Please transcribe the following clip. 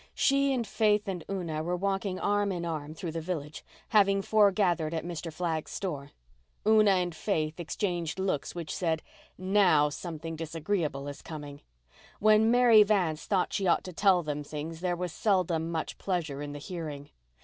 She and Faith and Una were walking arm in arm through the village, having foregathered at Mr. Flagg's store. Una and Faith exchanged looks which said, "Now something disagreeable is coming." When Mary Vance thought she ought to tell them things there was seldom much pleasure in the hearing.